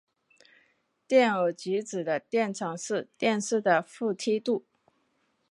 电偶极子的电场是电势的负梯度。